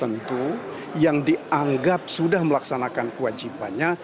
tentu yang dianggap sudah melaksanakan kewajibannya